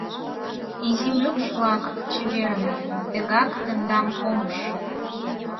Изи мӱкш-влак, чеверын: тегак тендам ом уж...